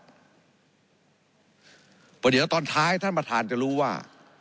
เพราะเดี๋ยวตอนท้ายท่านประธานจะรู้ว่า